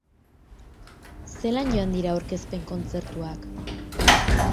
Zelan joan dira aurkezpen kontzertuak?